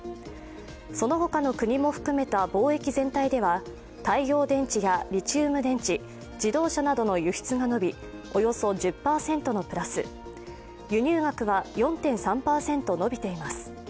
その他の国も含めた貿易全体では太陽電池やリチウム電池自動車などの輸出が伸び、およそ１０％のプラス、輸入額は４．３％伸びています。